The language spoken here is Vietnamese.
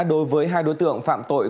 đối với hai đối tượng phạm tội